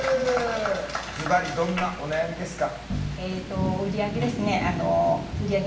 ズバリどんなお悩みですか？